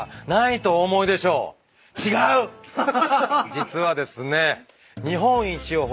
実はですね。